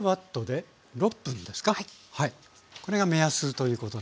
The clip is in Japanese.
これが目安ということですよね？